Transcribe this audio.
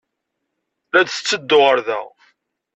La d-tetteddu ɣer da?